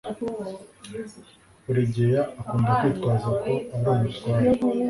buregeya akunda kwitwaza ko ari umutware